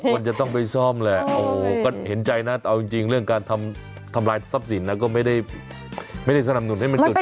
ควรจะต้องไปซ่อมแหละโอ้โหก็เห็นใจนะเอาจริงเรื่องการทำลายทรัพย์สินนะก็ไม่ได้สนับสนุนให้มันจุด